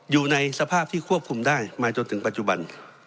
อยู่ในสภาพที่ควบคุมได้มาจนถึงปัจจุบัน